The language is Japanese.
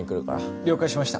了解しました。